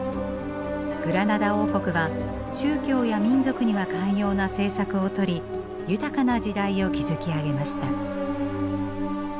グラナダ王国は宗教や民族には寛容な政策をとり豊かな時代を築き上げました。